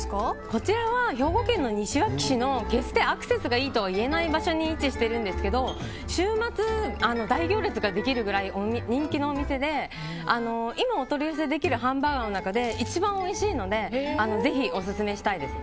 こちらは兵庫県の西脇市の決してアクセスがいいとは言えない場所に位置しているんですが週末、大行列ができるくらい人気のお店で今お取り寄せできるハンバーガーの中で一番おいしいのでぜひ、オススメしたいです。